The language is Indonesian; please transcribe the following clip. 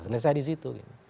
selesai di situ